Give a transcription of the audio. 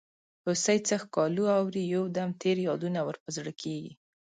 هوسۍ څه ښکالو اوري یو دم تېر یادونه ور په زړه کیږي.